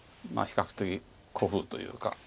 まあ比較的古風というか。